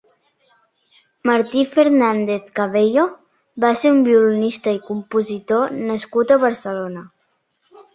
Martí Fernández Cabello va ser un violinista i compositor nascut a Barcelona.